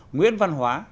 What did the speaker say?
nguyễn văn hóa